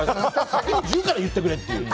先に１０から言ってくれって。